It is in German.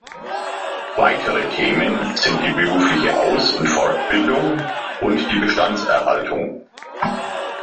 Weitere Themen sind die berufliche Aus- und Fortbildung und die Bestandserhaltung.